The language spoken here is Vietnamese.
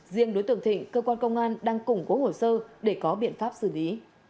riêng đối tượng thịnh cơ quan công an đang củng cố hồ sơ để có biện pháp xử lý